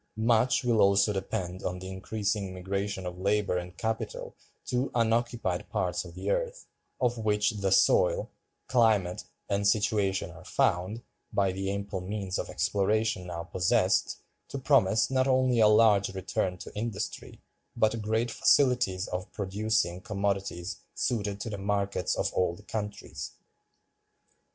Much will also depend on the increasing migration of labor and capital to unoccupied parts of the earth, of which the soil, climate, and situation are found, by the ample means of exploration now possessed, to promise not only a large return to industry, but great facilities of producing commodities suited to the markets of old countries.